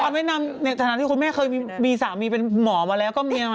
พอถามให้นำในสถานที่คุณแม่เคยมีสามีเป็นหมอเราก็มี